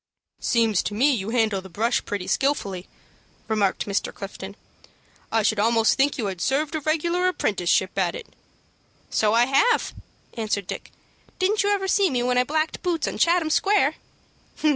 "Seems to me you handle the brush pretty skilfully," remarked Mr. Clifton. "I should almost think you had served a regular apprenticeship at it." "So I have," answered Dick. "Didn't you ever see me when I blacked boots on Chatham Square?"